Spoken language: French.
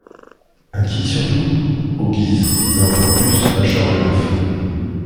À qui surtout ? aux Guises, mais encore plus à Charles IX.